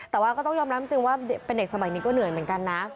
แต่ว่าก็ต้องยอมรับจริงว่าเป็นเด็กสมัยนี้ก็เหนื่อยเหมือนกันนะ